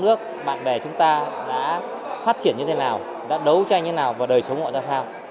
giúp các bạn bè chúng ta phát triển như thế nào đấu tranh như thế nào và đời sống mọi người ra sao